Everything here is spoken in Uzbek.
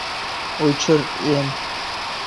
O‘chir, em!